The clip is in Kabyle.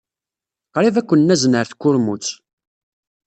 Qrib ad ken-nazen ɣer tkurmut.